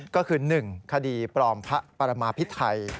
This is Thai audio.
ก็คือ๑คดีปลอมพระปรมาพิไทย